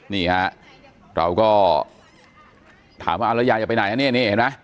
นี่ฮะเราก็ถามว่าเอาละยายจะไปไหนนะเนี่ย